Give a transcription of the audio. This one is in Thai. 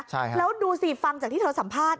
ใช่แล้วดูสิฟังจากที่เธอสัมภาษณ